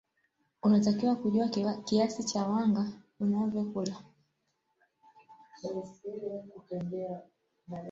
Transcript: unatakiwa kujua kiasi cha wanga unayokula